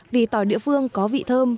vì tỏi địa phương có vị thơm